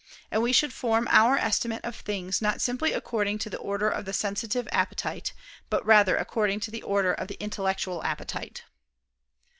And we should form our estimate of things not simply according to the order of the sensitive appetite, but rather according to the order of the intellectual appetite.